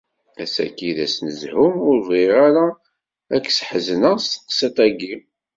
Assagi d ass n zzhu, ur bγiɣ-ara ad k -sḥezneɣ s teqṣiṭ-agi.